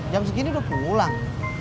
jam segini udah pulang